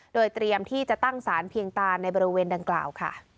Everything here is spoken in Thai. โดยเตรียมที่จะตั้งสารเพียงตาในบริเวณดังกล่าวค่ะ